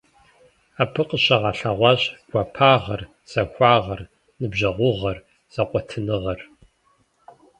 Абы къыщыгъэлъэгъуащ гуапагъэр, захуагъэр, ныбжьэгъугъэр, зэкъуэтыныгъэр.